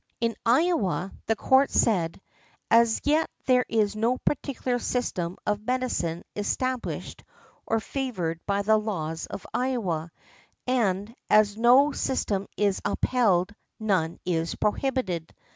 In Iowa, the Court said, "As yet there is no particular system of medicine established or favoured by the laws of Iowa, and as no system is upheld none is prohibited.